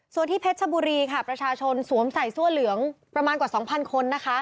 ส่วนที่เพชรชบุรีค่ะประชาชนสวมใส่เสื้อเหลืองประมาณกว่า๒๐๐คนนะคะ